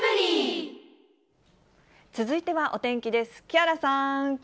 続いてはお天気です。